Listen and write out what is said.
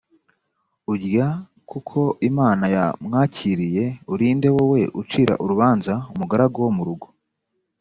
urya kuko imana yamwakiriye uri nde wowe ucira urubanza umugaragu wo mu rugo